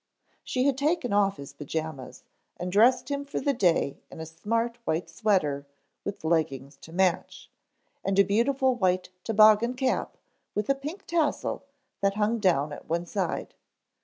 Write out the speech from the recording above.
She had taken off his pajamas and dressed him for the day in a smart white sweater with leggings to match, and a beautiful white toboggan cap with a pink tassel that hung down at one side.